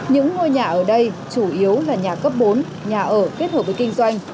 những ngôi nhà ở đây chủ yếu là nhà cấp bốn nhà ở kết hợp với kinh doanh